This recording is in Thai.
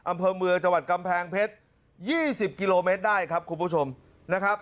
อำเภอเมืองจังหวัดกำแพงเพชร๒๐กิโลเมตรได้ครับคุณผู้ชมนะครับ